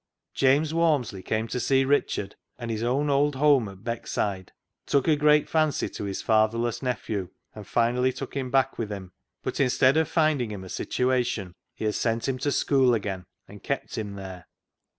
James Walmsley came to see Richard and his own old home at Beckside, took a great fancy to his fatherless nephew, and finally took him back with him. But, instead of finding him a situation, he had sent him to school again, and kept him there.